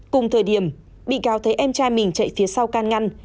cùng thời điểm bị cáo thấy em trai mình chạy phía sau can ngăn